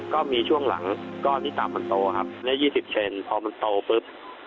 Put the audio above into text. ก็มีช่วงหลังก็มีตามมันโตครับใน๒๐เช่นพอมันโตปุ๊บ